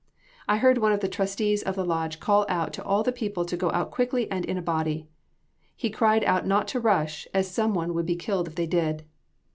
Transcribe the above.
I heard one of the trustees of the lodge call out to all the people to go out quickly and in a body. He cried out not to rush, as some one would be killed if they did.